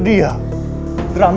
di sini pak